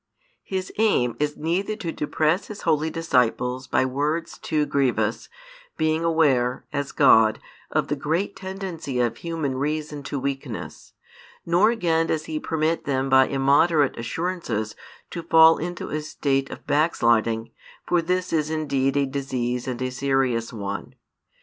His aim is neither to depress His holy disciples by words too grievous, being aware, as God, of the great |408 tendency of human reason to weakness, nor again does He permit them by immoderate assurances to fall into a state of backsliding, for this is indeed a disease and a serious one.